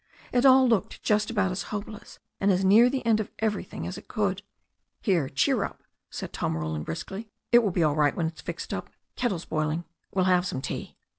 It all looked just about as hopeless and as near the end of everything as it could. "Here, cheer up," said Tom Roland briskly. "It will be all right when it's fixed up. Kettle's boiling. We'll have some tea."